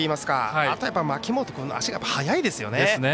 あとは、牧本君の足が速いですよね。